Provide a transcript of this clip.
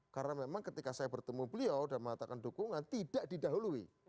karena memang ketika saya bertemu beliau dan mengatakan dukungan tidak didahului